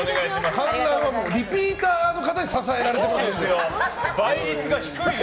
観覧はリピーターの方に支えられていますので。